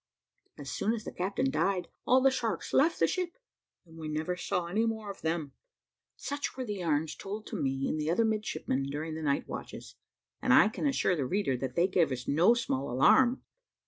As soon as the captain died, all the sharks left the ship, and we never saw any more of them." Such were the yarns told to me and the other midshipmen during the night watches; and I can assure the reader that they gave us no small alarm.